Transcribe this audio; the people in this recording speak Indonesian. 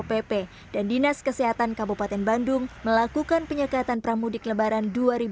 pp dan dinas kesehatan kabupaten bandung melakukan penyekatan pramudik lebaran dua ribu dua puluh